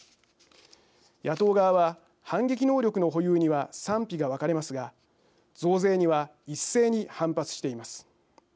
野党側は、反撃能力の保有には賛否が分かれますが増税には一斉に反発しています。